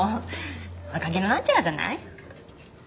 若気のなんちゃらじゃない？